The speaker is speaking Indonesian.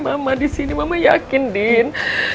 mama disini mama yakin din